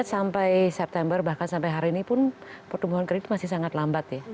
sampai september bahkan sampai hari ini pun pertumbuhan kredit masih sangat lambat ya